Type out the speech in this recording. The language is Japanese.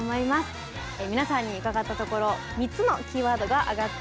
皆さんに伺ったところ３つのキーワードが挙がってきました。